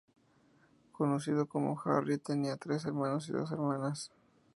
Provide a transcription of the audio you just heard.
Conocido como Harry, tenía tres hermanos y dos hermanas.